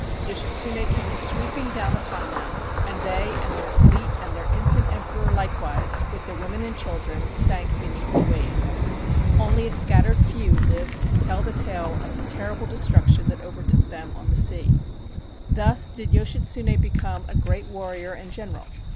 Yoshitsune came sweeping down upon them, and they and their fleet and their infant emperor likewise, with their women and children, sank beneath the waves. Only a scattered few lived to tell the tale of the terrible destruction that overtook them on the sea. Thus did Yoshitsune become a great warrior and general.